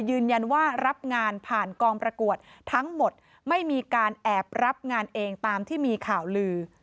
ยืนยันว่ารับงานผ่านกองประกวดทั้งหมดไม่มีการแอบรับงานเองตามที่มีข่าวลือ